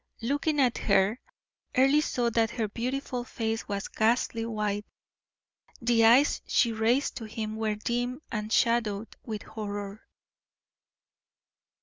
Looking at her, Earle saw that her beautiful face was ghastly white; the eyes she raised to him were dim and shadowed with horror.